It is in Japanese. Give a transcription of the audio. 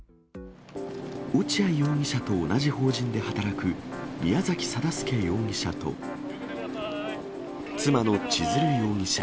落合容疑者と同じ法人で働く宮崎定助容疑者と、妻の千鶴容疑者。